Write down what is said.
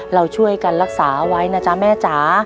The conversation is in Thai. เราช่วยกันรักษาไว้นะจ๊ะแม่จ๋า